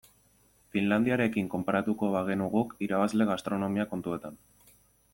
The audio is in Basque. Finlandiarekin konparatuko bagenu guk irabazle gastronomia kontuetan.